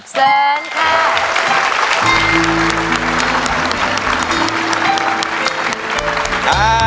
เสิร์นครับ